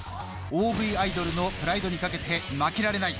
大食いアイドルのプライドに懸けて負けられない。